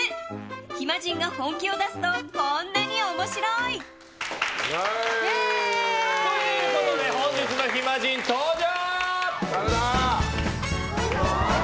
暇人が本気を出すとこんなに面白い！ということで本日の暇人登場！